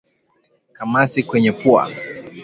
Kamasi kwenye pua